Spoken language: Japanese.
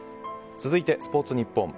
続いて、スポーツニッポン。